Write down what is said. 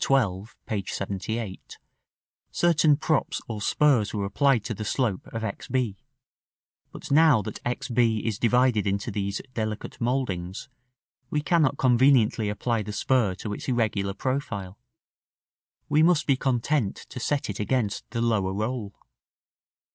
XII. (p. 78), certain props or spurs were applied to the slope of X b; but now that X b is divided into these delicate mouldings, we cannot conveniently apply the spur to its irregular profile; we must be content to set it against the lower roll.